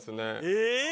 えっ！？